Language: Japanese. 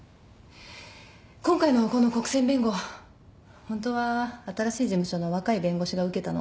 今回のこの国選弁護ホントは新しい事務所の若い弁護士が受けたの。